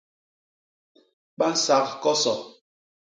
Ba nsak koso.